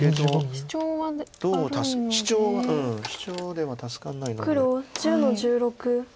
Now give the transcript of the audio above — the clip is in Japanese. シチョウでは助からないので。